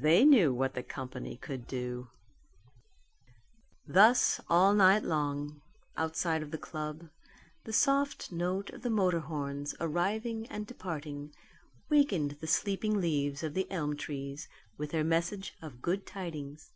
They knew what the company could do. Thus all night long, outside of the club, the soft note of the motor horns arriving and departing wakened the sleeping leaves of the elm trees with their message of good tidings.